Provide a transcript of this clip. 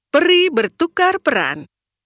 peri bertukar peran